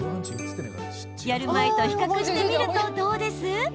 やる前と比較してみるとどうです？